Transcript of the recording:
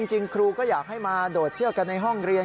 จริงครูก็อยากให้มาโดดเชือกกันในห้องเรียน